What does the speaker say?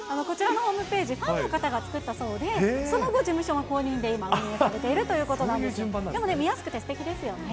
こちらのホームページ、ファンの方が作ったそうで、その後、事務所の公認で今、運営されているということなんですよ。